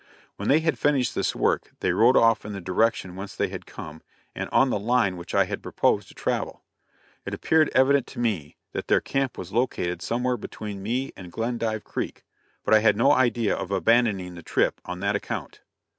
When they had finished this work they rode off in the direction whence they had come and on the line which I had proposed to travel. It appeared evident to me that their camp was located somewhere between me and Glendive Creek, but I had no idea of abandoning the trip on that account.